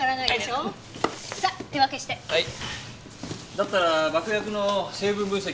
だったら爆薬の成分分析は私が。